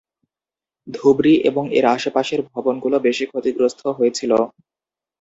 ধুবড়ী এবং এর আশপাশের ভবনগুলো বেশি ক্ষতিগ্রস্ত হয়েছিল।